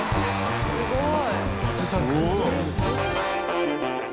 すごい。